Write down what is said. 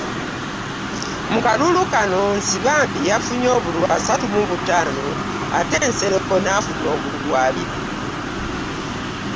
Mu kalulu kano, Nsibambi yafunye obululu asatu mu butaano ate Nsereko n’afuna obululu abiri